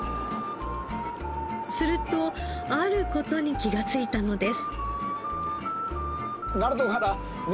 するとある事に気がついたのです。